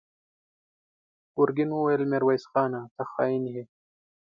ګرګين وويل: ميرويس خانه! ته خاين يې!